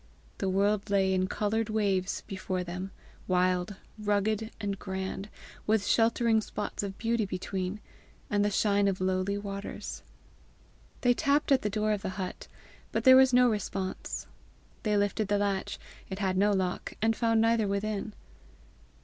The world lay in coloured waves before them, wild, rugged, and grand, with sheltering spots of beauty between, and the shine of lowly waters. They tapped at the door of the hut, but there was no response; they lifted the latch it had no lock and found neither within.